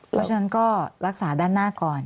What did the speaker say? เพราะฉะนั้นก็รักษาด้านหน้าก่อน